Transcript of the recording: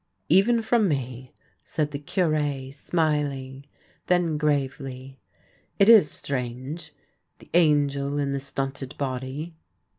Even from me," said the Cure, smiling. Then, gravely :" It is strange, the angel in the stunted body."